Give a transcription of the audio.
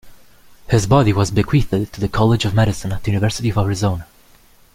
His body was bequeathed to the college of medicine at the University of Arizona.